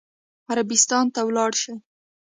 عربستان ته ولاړ شي.